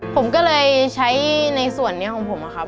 ผมก็เลยใช้ในส่วนนี้ของผมอะครับ